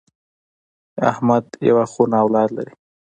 احمد یوه خونه اولاد لري.